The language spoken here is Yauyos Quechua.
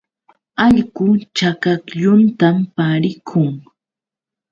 Allqu chakaklluntam pariqun.